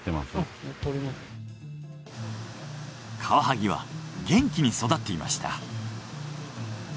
カワハギは元気に育っていました。